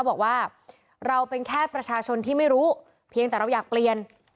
บอกว่าเราเป็นแค่ประชาชนที่ไม่รู้เพียงแต่เราอยากเปลี่ยน